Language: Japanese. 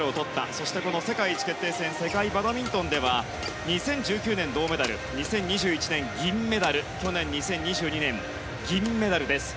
そして、この世界一決定戦世界バドミントンでは２０１９年、銅メダル２０２１年、銀メダル去年２０２２年、銀メダルです。